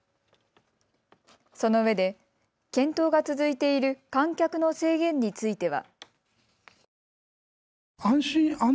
そのうえで検討が続いている観客の制限については。